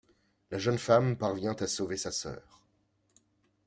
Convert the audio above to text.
La jeune femme parvient à sauver sa sœur.